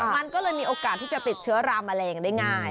มันก็เลยมีโอกาสที่จะติดเชื้อรามะเร็งได้ง่าย